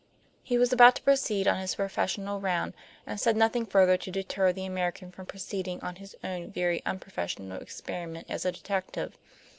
He was about to proceed on his professional round, and said nothing further to deter the American from proceeding on his own very unprofessional experiment as a detective.